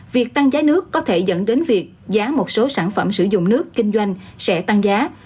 việc tăng giá nước có thể dẫn đến việc giá một số sản phẩm sử dụng nước kinh doanh sẽ tăng giá